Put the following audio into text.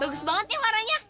bagus banget ya warnanya